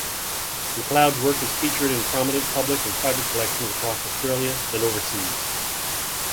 Macleod's work is featured in prominent public and private collections across Australia and overseas.